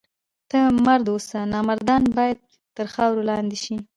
ته مرد اوسه! نامردان باید تر خاورو لاندي سي.